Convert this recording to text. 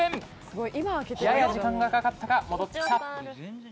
やや時間がかかったか戻ってきた。